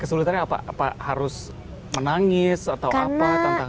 kesulitan apa harus menangis atau apa tantangannya di sini